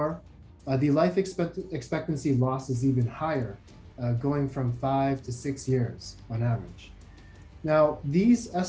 harapan hidupnya lebih tinggi berjalan dari lima hingga enam tahun secara berdasarkan